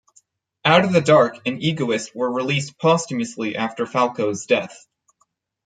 "Out of the Dark" and "Egoist" were released posthumously after Falco's death.